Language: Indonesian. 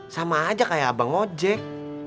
sama aja kayak abang ojek